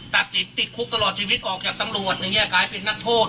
ตัดสินติดคุกตลอดชีวิตออกจากตำรวจอย่างนี้กลายเป็นนักโทษ